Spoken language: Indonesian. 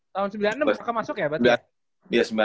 tahun sembilan puluh enam maka masuk ya